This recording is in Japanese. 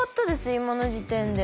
今の時点で。